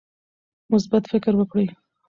مثبت فکر وکړئ.